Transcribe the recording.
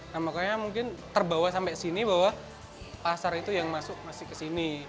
nah makanya mungkin terbawa sampai sini bahwa pasar itu yang masuk masih ke sini